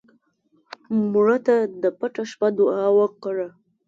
مړه ته د پټه شپه دعا وکړه